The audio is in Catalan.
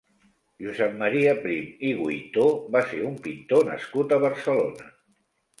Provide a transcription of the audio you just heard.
Josep Maria Prim i Guytó va ser un pintor nascut a Barcelona.